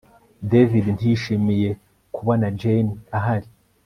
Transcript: David ntiyishimiye kubona Jane ahari